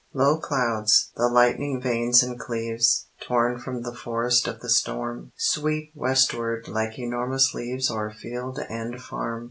Low clouds, the lightning veins and cleaves, Torn from the forest of the storm, Sweep westward like enormous leaves O'er field and farm.